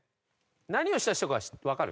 何をした人かわかる？